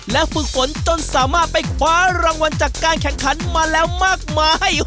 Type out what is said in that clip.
และฝึกฝนจนสามารถไปคว้ารางวัลจากการแข่งขันมาแล้วมากมาย